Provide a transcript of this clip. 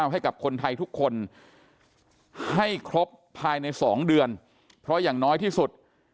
ให้กับคนไทยทุกคนให้ครบภายใน๒เดือนเพราะอย่างน้อยที่สุด